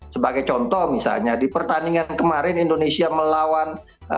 sebagai contoh misalnya di pertandingan kemarin indonesia melawan